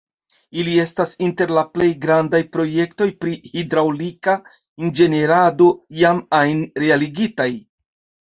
Ili estas inter la plej grandaj projektoj pri hidraŭlika inĝenierado iam ajn realigitaj.